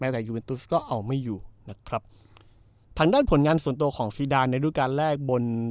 แต่ยูเอ็นตุสก็เอาไม่อยู่นะครับทางด้านผลงานส่วนตัวของซีดานในรูปการแรกบน